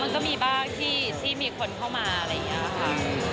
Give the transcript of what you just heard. มันก็มีบ้างที่มีคนเข้ามาอะไรอย่างนี้ค่ะ